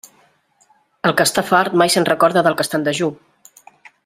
El que està fart mai se'n recorda del que està en dejú.